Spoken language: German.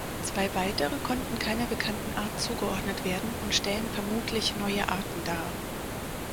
Zwei weitere konnten keiner bekannten Art zugeordnet werden und stellen vermutlich neue Arten da.